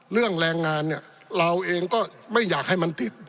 แรงงานเนี่ยเราเองก็ไม่อยากให้มันติด